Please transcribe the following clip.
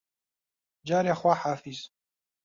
جارێ خواحافیز